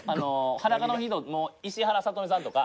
裸の人の石原さとみさんとか。